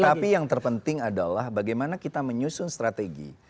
tetapi yang terpenting adalah bagaimana kita menyusun strategi